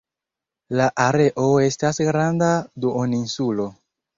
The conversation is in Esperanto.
La areo estas granda duoninsulo.